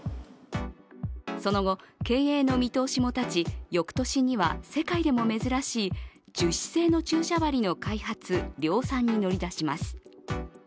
その後、経営の見通しも立ち翌年には世界でも珍しい樹脂製の注射針の開発・量産に乗り出します。